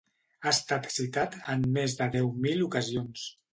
Ha estat citat en més de deu mil ocasions.